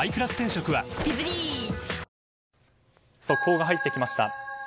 速報が入ってきました。